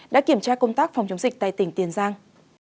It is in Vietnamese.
đã kiểm tra công tác phòng chống dịch tại tỉnh tiền giang